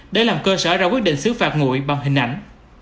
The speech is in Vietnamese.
để làm cơ sở ra quyết định xứ phạt ngụy bằng hình ảnh